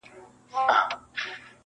• یاره وتله که چيري د خدای خپل سوې..